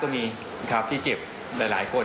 มันมีโอกาสเกิดอุบัติเหตุได้นะครับ